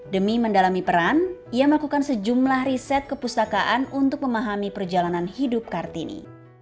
demi mendalami peran ia melakukan sejumlah riset kepustakaan untuk memahami perjalanan hidup kartini